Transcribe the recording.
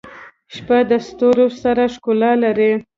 • شپه د ستورو سره ښکلا لري.